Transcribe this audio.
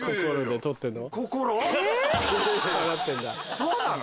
そうなの？